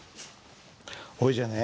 ほいじゃあね